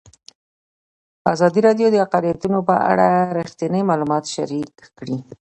ازادي راډیو د اقلیتونه په اړه رښتیني معلومات شریک کړي.